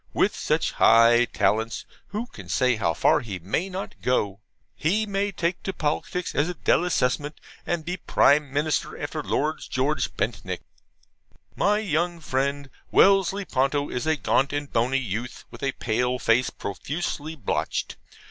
With such high talents, who can say how far he may not go? He may take to politics as a DELASSEMENT, and be Prime Minister after Lord George Bentinck. My young friend Wellesley Ponto is a gaunt and bony youth, with a pale face profusely blotched.